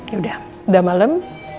yaudah udah malem